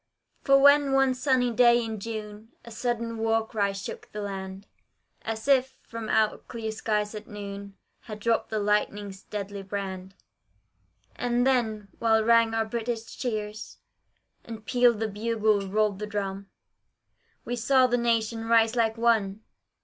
For when one sunny day in June, A sudden war cry shook the land, As if from out clear skies at noon Had dropped the lightning's deadly brand Ah then, while rang our British cheers, And pealed the bugle, rolled the drum, We saw the Nation rise like one!